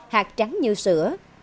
hạt trắng như sữa